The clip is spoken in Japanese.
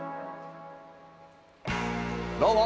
どうも！